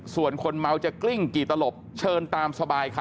ส่วนคนเมาจะกลิ้งกี่ตลบเชิญตามสบายค่ะ